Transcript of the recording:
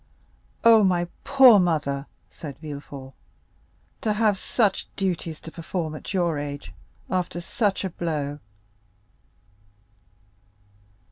"Oh! my poor mother!" said Villefort, "to have such duties to perform at your age after such a blow!"